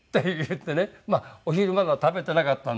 まあお昼まだ食べてなかったんで。